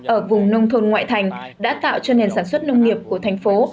ở vùng nông thôn ngoại thành đã tạo cho nền sản xuất nông nghiệp của thành phố